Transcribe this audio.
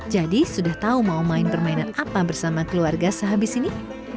jadi sudah tahu mau main permainan apa bersama keluarga sehabis ini